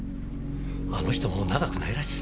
あの人もう長くないらしい。